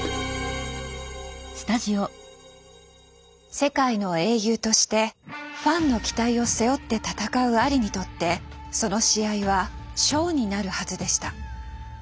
世界の英雄としてファンの期待を背負って戦うアリにとってその試合はショーになるはずでした。